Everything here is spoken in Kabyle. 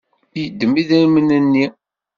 Yeddem idrimen-nni.